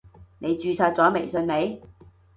你註冊咗微信未？